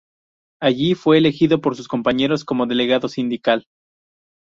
Allí fue elegido por sus compañeros como delegado sindical.